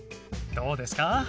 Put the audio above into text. どうですか？